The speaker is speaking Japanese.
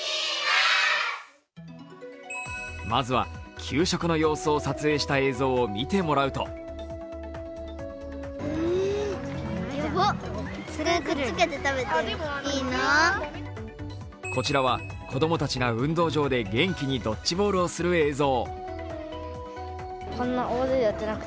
まずは給食の様子を撮影した映像を見てもらうとこちらは子供たちが運動場で元気にドッジボールをする映像。